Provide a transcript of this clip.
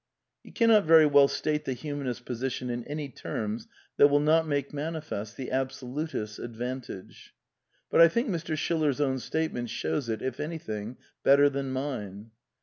You cannot very well state the humanisms position in any terms that will not make manifest the absolutist's advan tage; but I think Mr. Schiller's ovni statement shows it, if anything, better than mine.